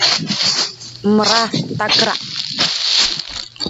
Ruurata takarang.